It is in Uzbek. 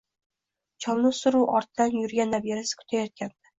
Cholni suruv ortidan yurgan nabirasi kutayotgandi